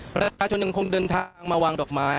ประชาชนยังคงเดินทางมาวางดอกไม้